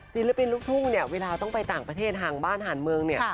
ศิลปินลูกทุ่งเนี่ยเวลาต้องไปต่างประเทศห่างบ้านห่างเมืองเนี่ย